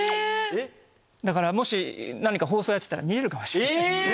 だからもし放送やってたら見れるかもしれない。